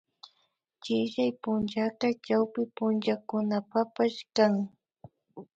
Chillay punllaka chawpi punchakunapapash kan